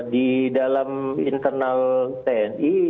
di dalam internal tni